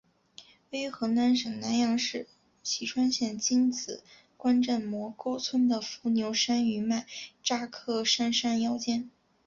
位于河南省南阳市淅川县荆紫关镇磨沟村的伏牛山余脉乍客山山腰间。